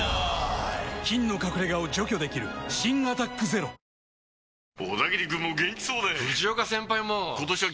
菌の隠れ家を除去できる新「アタックＺＥＲＯ」今日の予定は？